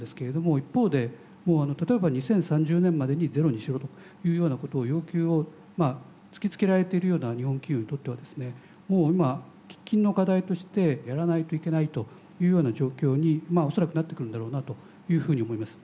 一方で例えば２０３０年までにゼロにしろというようなことを要求をまあ突きつけられているような日本企業にとってはですねもう今喫緊の課題としてやらないといけないというような状況に恐らくなってくるんだろうなというふうに思います。